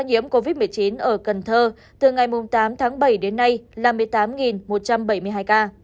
nhiễm covid một mươi chín ở cần thơ từ ngày tám tháng bảy đến nay là một mươi tám một trăm bảy mươi hai ca